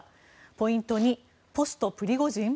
ポイント２、ポストプリゴジン？